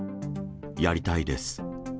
やりたいです。